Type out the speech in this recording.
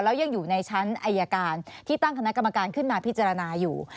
แล้วยังอยู่ในชั้นอายการที่ตั้งคณะกรรมการขึ้นมาพิจารณาอยู่